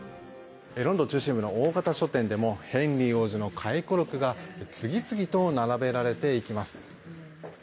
ロンドン中心部の大型書店でもヘンリー王子の回顧録が次々と並べられていきます。